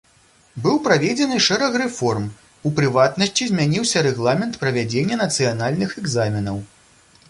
Быў праведзены шэраг рэформ, у прыватнасці змяніўся рэгламент правядзення нацыянальных экзаменаў.